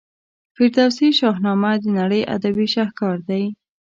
فردوسي شاهنامه د نړۍ ادبي شهکار دی.